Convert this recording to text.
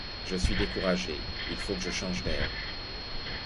Je suis découragée, il faut que je change d'air.